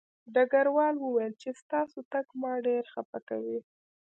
ډګروال وویل چې ستاسو تګ ما ډېر خپه کوي